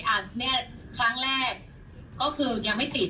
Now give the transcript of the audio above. เนี่ยครั้งแรกก็คือยังไม่ติด